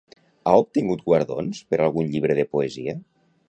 Ha obtingut guardons per algun llibre de poesia?